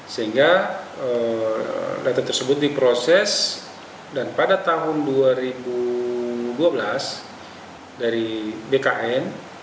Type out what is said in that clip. sehingga data tersebut diproses dan pada tahun dua ribu dua belas dari bkn